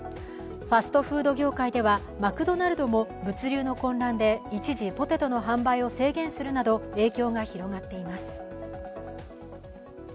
ファストフード業界では、マクドナルドも物流の混乱で一時、ポテトの販売を制限するなど影響が広がっています。